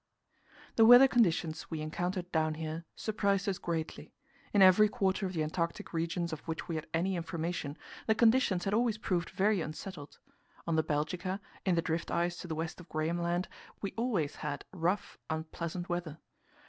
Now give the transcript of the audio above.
The weather conditions we encountered down here surprised us greatly. In every quarter of the Antarctic regions of which we had any information, the conditions had always proved very unsettled. On the Belgica, in the drift ice to the west of Graham Land, we always had rough, unpleasant weather.